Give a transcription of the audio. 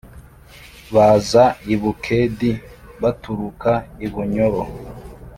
Baza i Bukedi, baturuka i Bunyoro;